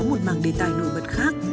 một màng đề tài nổi bật khác